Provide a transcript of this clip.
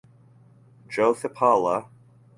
Jothipala.